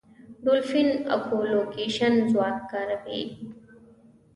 ډولفین اکولوکېشن ځواک کاروي.